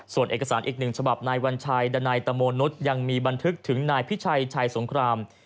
ส่วนเอกสารอีกหนึ่งฉบับนายวัญชัยดันัยตะโมนุษย์ยังมีบันทึกถึงนายพิชัยชัยสงคราม